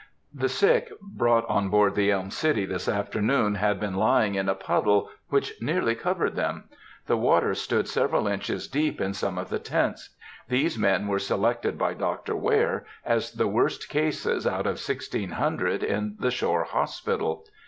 The sick brought on board the Elm City this afternoon had been lying in a puddle, which nearly covered them. The water stood several inches deep in some of the tents. These men were selected by Dr. Ware, as the worst cases out of sixteen hundred in the shore hospital.